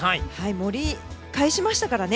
盛り返しましたからね。